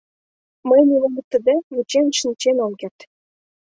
— Мый нимом ыштыде вучен шинчен ом керт.